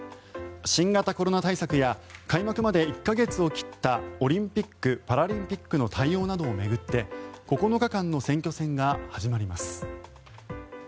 新型コロナ対策や開幕まで１か月を切ったオリンピック・パラリンピックの対応などを巡って９日間の選挙戦が始まります。